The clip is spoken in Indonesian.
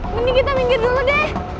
mending kita minggir dulu deh